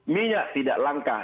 minyak tidak langka